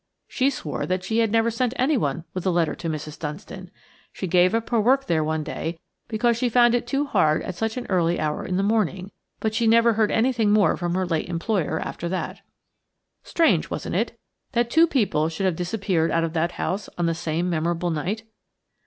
She swore that she had never sent anyone with a letter to Mrs. Dunstan. She gave up her work there one day because she found it too hard at such an early hour in the morning; but she never heard anything more from her late employer after that. Strange, wasn't it, that two people should have disappeared out of that house on that same memorable night?